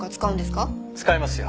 使いますよ